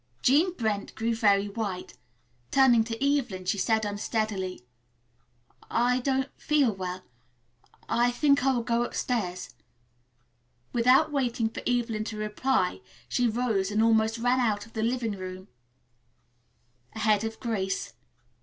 Jean Brent grew very white. Turning to Evelyn she said unsteadily, "I don't feel well. I think I will go up stairs." Without waiting for Evelyn to reply, she rose and almost ran out of the living room ahead of Grace.